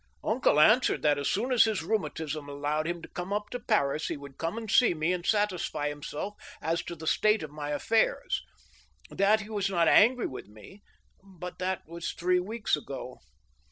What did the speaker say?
Uncle answered that as soon as his rheumatism allowed him to come up to Paris, he would come and see me, and satisfy himself as to the state of my affairs ; that he was not angry with me. ... But that was three weeks ago.